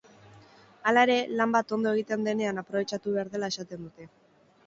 Hala ere, lan bat ondo egiten denean aprobetxatu behar dela esaten dute.